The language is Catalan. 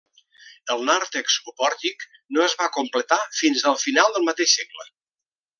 El nàrtex o pòrtic no es va completar fins al final del mateix segle.